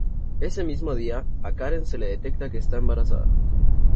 Ese mismo día a Karen se le detecta que está embarazada.